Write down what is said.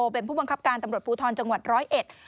เป็นผู้บังคับการตำรวจภูทรจังหวัดร้อยเอ็ด